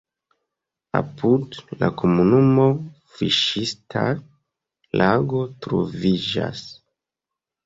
Apud la komunumo fiŝista lago troviĝas.